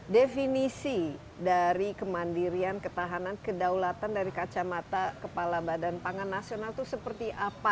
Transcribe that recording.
definisi dari kemandirian ketahanan kedaulatan dari kacamata kepala badan pangan nasional itu seperti apa